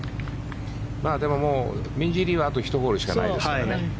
でも、ミンジー・リーはあと１ホールしかないですからね。